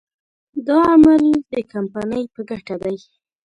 دا عمل د کمپنۍ په ګټه دی.